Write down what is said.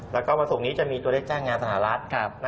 แล้วก็วันศุกร์นี้จะมีตัวเลขจ้างงานสหรัฐ